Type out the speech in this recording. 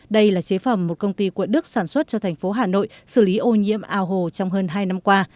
đây là chế phẩm một công ty quận đức sản xuất cho thành phố hà nội xử lý ô nhiễm ao hồ trong hơn hai năm qua